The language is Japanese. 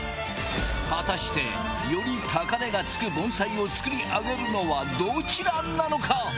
果たしてより高値が付く盆栽を作り上げるのはどちらなのか？